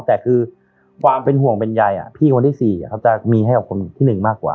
แต่คือความเป็นห่วงเป็นใยพี่คนที่๔จะมีให้กับคนที่๑มากกว่า